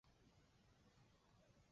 请尊重每个人的生活习惯。